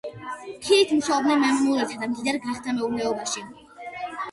ქირით მუშაობდნენ მემამულეთა და მდიდარ გლეხთა მეურნეობაში.